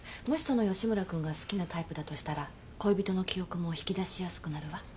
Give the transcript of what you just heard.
もしその吉村君が好きなタイプだとしたら恋人の記憶も引き出しやすくなるわ。